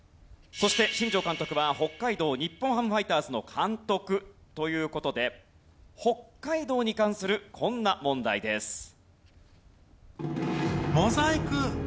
そして新庄監督は北海道日本ハムファイターズの監督という事で北海道に関するこんな問題です。